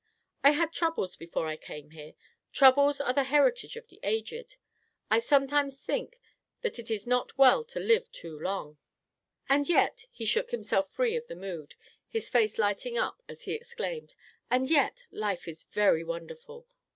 "I had troubles before I came here. Troubles are the heritage of the aged. I sometimes think that it is not well to live too long. "And yet," he shook himself free of the mood; his face lighting up as he exclaimed, "And yet, life is very wonderful!